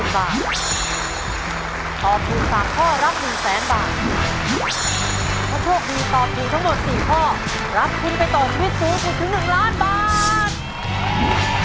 ถ้าโชคดีตอบถูกทั้งหมด๔ข้อรับถึงไปต่อชีวิตสูงสุดถึง๑ล้านบาท